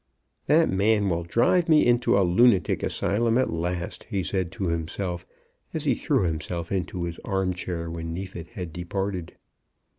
"That man will drive me into a lunatic asylum at last," he said to himself, as he threw himself into his arm chair when Neefit had departed.